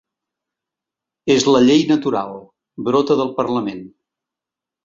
És la llei natural, brota del parlament.